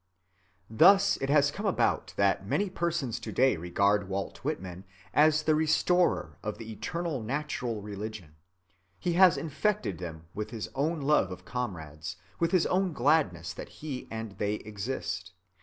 Thus it has come about that many persons to‐day regard Walt Whitman as the restorer of the eternal natural religion. He has infected them with his own love of comrades, with his own gladness that he and they exist.